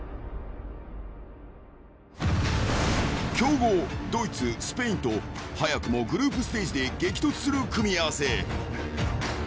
［強豪ドイツスペインと早くもグループステージで激突する組み合わせ］